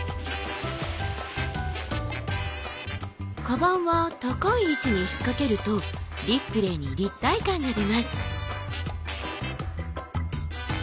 かばんは高い位置に引っ掛けるとディスプレーに立体感が出ます。